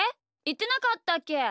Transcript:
いってなかったっけ？